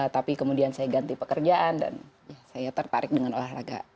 tapi kemudian saya ganti pekerjaan dan saya tertarik dengan olahraga